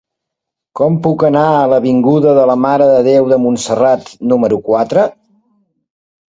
Com puc anar a l'avinguda de la Mare de Déu de Montserrat número quatre?